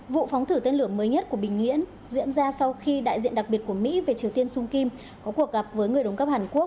vụ phóng thử tên lửa mới nhất của bình nhưỡng diễn ra sau khi đại diện đặc biệt của mỹ về triều tiên sung kim có cuộc gặp với người đồng cấp hàn quốc